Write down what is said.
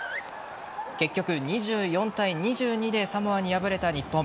結局２４対２２でサモアに敗れた日本。